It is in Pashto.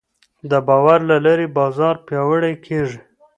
د باور له لارې بازار پیاوړی کېږي.